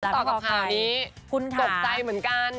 ต่อกับข่าวนี้คุณตกใจเหมือนกัน